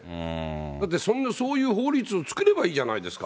だって、そういう法律を作ればいいじゃないですか。